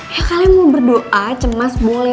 ya kalian mau berdoa cemas boleh